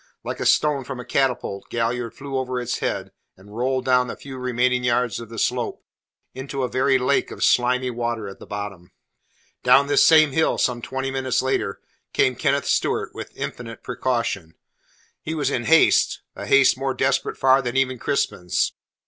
Like a stone from a catapult Galliard flew over its head and rolled down the few remaining yards of the slope into a very lake of slimy water at the bottom. Down this same hill, some twenty minutes later, came Kenneth Stewart with infinite precaution. He was in haste a haste more desperate far than even Crispin's.